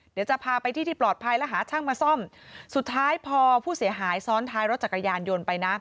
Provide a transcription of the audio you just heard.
เดี๋ยวจะพาไปที่ที่ปลอดภัยแล้วหาช่างมาซ่อมสุดท้ายพอผู้เสียหายซ้อนท้ายรถจักรยานยนต์ไปนะ